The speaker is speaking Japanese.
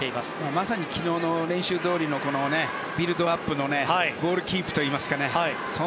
まさに昨日の練習どおりのビルドアップのボールキープといいますかね。